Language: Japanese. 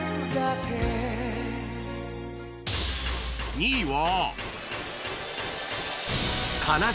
２位は